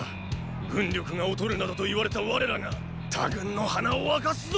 軍力が劣るなどと言われた我らが他軍の鼻をあかすぞ！